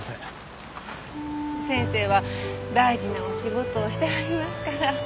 先生は大事なお仕事をしてはりますから。